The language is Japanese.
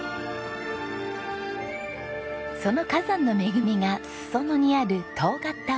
その火山の恵みが裾野にある遠刈田温泉。